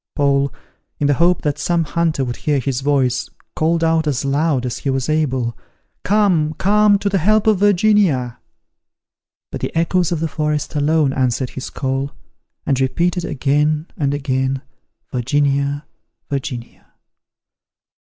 Paul, in the hope that some hunter would hear his voice, called out as loud as he was able, "Come, come to the help of Virginia." But the echoes of the forest alone answered his call, and repeated again and again, "Virginia Virginia."